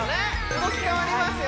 動き変わりますよ